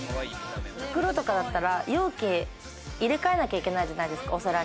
袋とかだったら容器入れ替えなきゃいけないじゃないですか。